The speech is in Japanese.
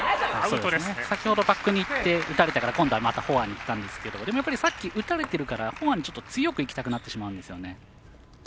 先ほどバックにいって打たれたから今度はまたフォアにいったんですがでも、さっき打たれているからフォアに強くいきたくなってしまうんですよね。